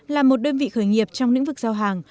là một đơn vị khởi nghiệp trong lĩnh vực giao hàng